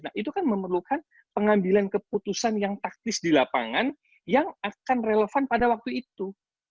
nah itu kan memerlukan pengambilan keputusan yang taktis di lapangan yang akan relevan pada waktu itu